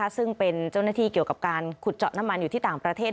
ซึ่งเป็นเจ้าหน้าที่เกี่ยวกับการขุดเจาะน้ำมันอยู่ที่ต่างประเทศ